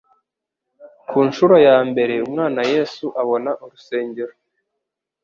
Ku nshuro ya mbere, Umwana Yesu abona urusengero.